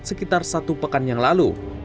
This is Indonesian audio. sekitar satu pekan yang lalu